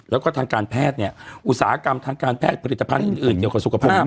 แล้วก็ทางการแพทย์เนี่ยอุตสาหกรรมทางการแพทย์ผลิตภัณฑ์อื่นเกี่ยวกับสุขภาพ